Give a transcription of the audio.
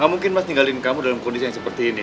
gak mungkin mas tinggalin kamu dalam kondisi yang seperti ini